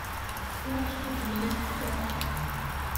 Ur ak-t-id-mlant ara.